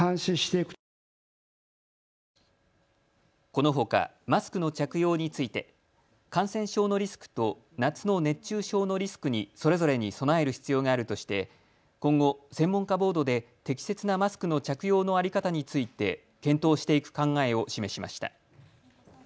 このほかマスクの着用について感染症のリスクと夏の熱中症のリスクにそれぞれに備える必要があるとして今後、専門家ボードで適切なマスクの着用の在り方について検討していく考えを示しました。